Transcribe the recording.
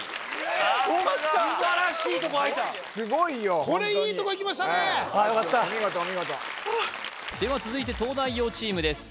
さすが！素晴らしいとこ開いたすごいよホントにこれいいとこいきましたねよかったお見事お見事では続いて東大王チームです